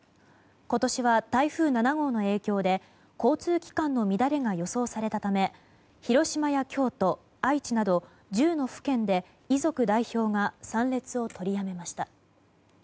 今年は、台風７号の影響で交通機関の乱れが予想されたため広島や京都、愛知など１０の府県で遺族代表が参列を取りやめました。